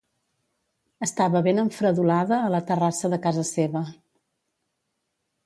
Estava ben enfredolada a la terrassa de casa seva